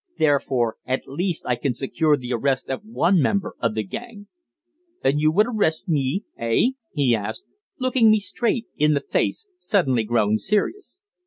Therefore at least I can secure the arrest of one member of the gang." "And you would arrest me eh?" he asked, looking me straight in the face, suddenly growing serious.